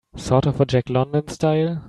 Sort of a Jack London style?